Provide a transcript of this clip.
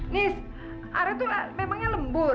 nis ara tuh memangnya lembur